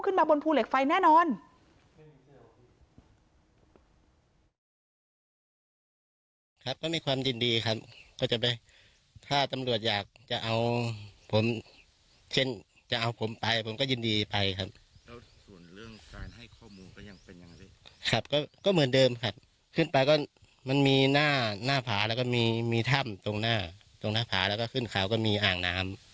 ขึ้นมาบนภูเหล็กไฟแน่นอน